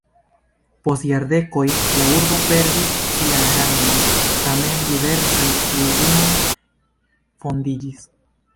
Post jardekoj la urbo perdis sian rangon, tamen diversaj uzinoj fondiĝis.